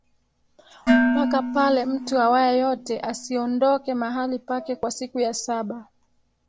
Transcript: mpaka pale mtu awaye yote asiondoke mahali pake kwa siku ya saba